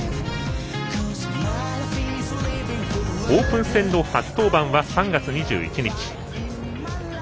オープン戦の初登板は３月２１日。